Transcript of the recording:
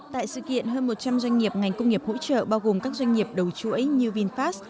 tại sự kiện hơn một trăm linh doanh nghiệp ngành công nghiệp hỗ trợ bao gồm các doanh nghiệp đầu chuỗi như vinfast